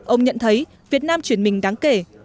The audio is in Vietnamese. ông nhận thấy việt nam chuyển mình đáng kể